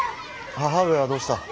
母上はどうした？